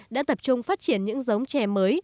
đã tập trung phát triển những giống chè mới